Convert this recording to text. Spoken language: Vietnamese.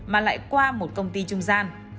mà lại qua bộ trung gian để xác nhận đối tượng